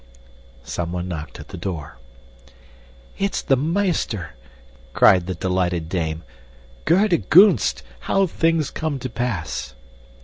Someone knocked at the door. "It's the meester," cried the delighted dame. "Goede Gunst! How things come to pass!"